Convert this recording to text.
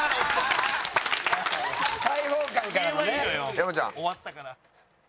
山ちゃん。